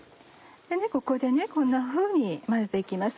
ここでこんなふうに混ぜて行きます。